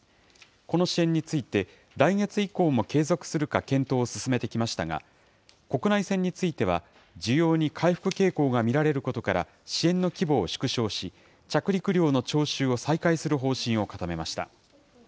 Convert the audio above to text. この支援について、来月以降も継続するか検討を進めてきましたが、国内線については、需要に回復傾向が見られることから、支援の規模を縮小し、着陸料の徴収を再開する方針を固めました。